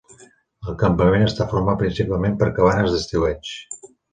El campament està format principalment per cabanes d'estiueig.